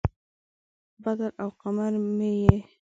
بدر او قمر مې یې